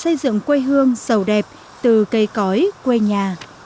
xây dựng quê hương sầu đẹp từ cây cõi quê nhà